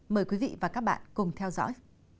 mời quý vị và các bạn cùng theo dõi